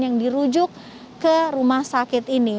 yang dirujuk ke rumah sakit ini